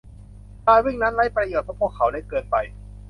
การวิ่งนั้นไร้ประโยชน์เพราะพวกเขาเล็กเกินไป